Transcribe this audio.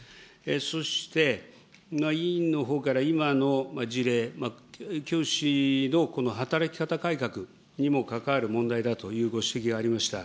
そして、今委員のほうから今の事例、教師の働き方改革にも関わる問題だというご指摘がありました。